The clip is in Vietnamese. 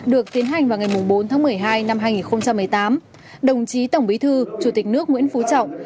được tiến hành vào ngày bốn tháng một mươi hai năm hai nghìn một mươi tám đồng chí tổng bí thư chủ tịch nước nguyễn phú trọng